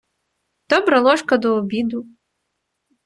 Добра ложка до обіду.